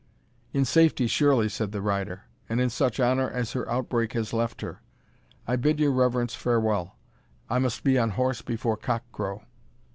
"In safety, surely," said the rider, "and in such honour as her outbreak has left her. I bid your reverence farewell, I must be on horse before cock crow."